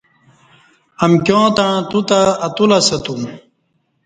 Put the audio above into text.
امکیاں تݩع تو تہ اتو لسہ تم